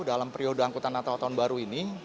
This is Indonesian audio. dalam periode angkutan natal tahun baru ini